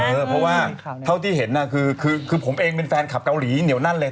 เพราะว่าเท่าที่เห็นน่ะคือผมเองเป็นแฟนคลับเกาหลีเหนียวแน่นเลย